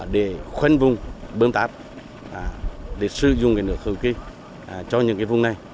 để khuân vùng bơm tạp để sử dụng cái nước khôi quy cho những cái vùng này